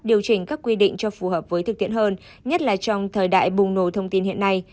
điều chỉnh các quy định cho phù hợp với thực tiễn hơn nhất là trong thời đại bùng nổ thông tin hiện nay